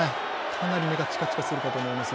かなり目がチカチカするかと思います。